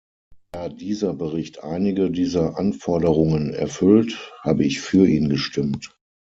Da dieser Bericht einige dieser Anforderungen erfüllt, habe ich für ihn gestimmt.